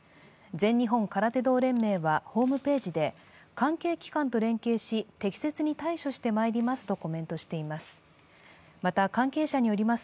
全日本空手道連盟は、ホームページで関係機関と連携し適切に対処してまいりますとコメントしています。